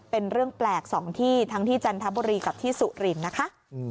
เป็นเรื่องแปลกสองที่ทั้งที่จันทบุรีกับที่สุรินทร์นะคะ